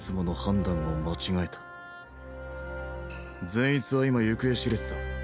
善逸は今行方知れずだ。